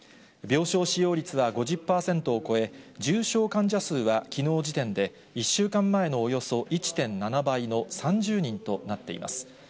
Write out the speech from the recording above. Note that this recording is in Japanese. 病床使用率は５０％を超え、重症患者数はきのう時点で、１週間前のおよそ１．７倍の３０人となっています。